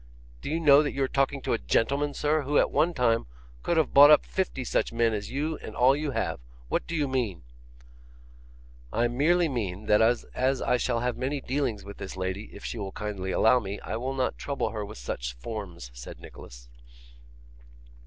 Do you know that you are talking to a gentleman, sir, who at one time could have bought up fifty such men as you and all you have? What do you mean?' 'I merely mean that as I shall have many dealings with this lady, if she will kindly allow me, I will not trouble her with such forms,' said Nicholas.